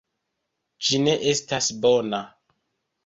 Ĝi ne estas bona.